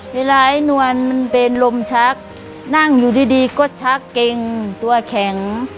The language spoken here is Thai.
เวลาไอ้นวลมันเป็นลมชักนั่งอยู่ดีก็ชักเกงตัวแข็ง